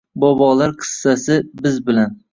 Bobolar qissasi biz bilan